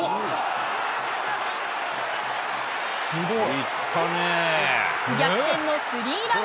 すごい。